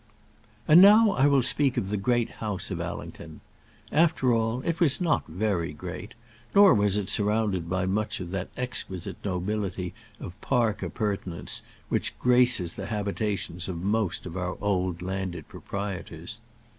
And now I will speak of the Great House of Allington. After all, it was not very great; nor was it surrounded by much of that exquisite nobility of park appurtenance which graces the habitations of most of our old landed proprietors.